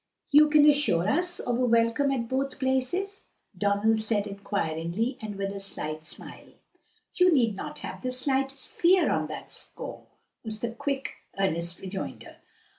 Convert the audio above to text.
"You can assure us of a welcome at both places?" Donald said inquiringly and with a slight smile. "You need not have the slightest fear on that score," was the quick, earnest rejoinder.